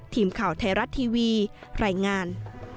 ทีมข่าวไทยรัฐทีวีรายงาน